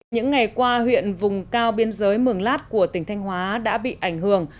những ngày qua huyện vùng cao biên giới mường lát của tỉnh thanh hóa đã bị ảnh hưởng